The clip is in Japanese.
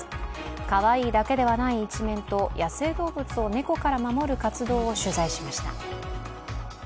かわいいだけではない一面と、野生動物を猫から守る活動を取材しました。